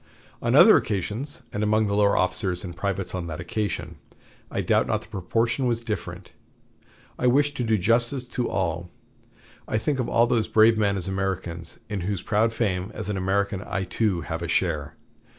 On other occasions, and among the lower officers and privates on that occasion, I doubt not the proportion was different. I wish to do justice to all. I think of all those brave men as Americans, in whose proud fame, as an American, I, too, have a share.